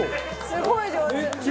すごい上手！